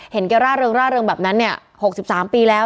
เห็นแกร่าเริงร่าเริงแบบนั้นเนี่ยหกสิบสามปีแล้ว